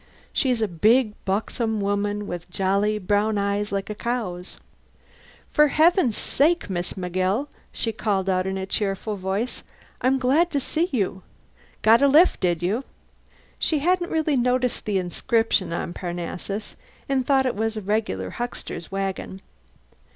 She's a big, buxom woman with jolly, brown eyes like a cow's. "For heaven's sake, Miss McGill," she called out in a cheerful voice "I'm glad to see you. Got a lift, did you?" She hadn't really noticed the inscription on Parnassus, and thought it was a regular huckster's wagon.